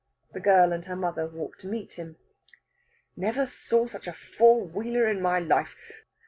The girl and her mother walk to meet him. "Never saw such a four wheeler in my life!